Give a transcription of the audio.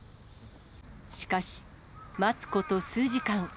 しかし、待つこと数時間。